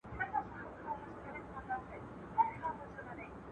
ايا سياسي پرېکړې تل د ټولنې په ګټه وي؟